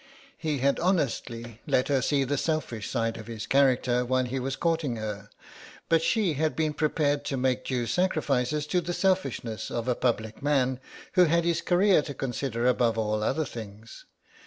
He had honestly let her see the selfish side of his character while he was courting her, but she had been prepared to make due sacrifices to the selfishness of a public man who had his career to consider above all other things.